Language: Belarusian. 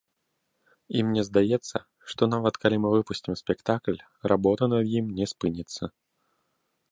І мне здаецца, што нават калі мы выпусцім спектакль, работа над ім не спыніцца.